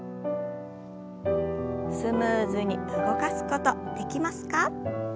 スムーズに動かすことできますか？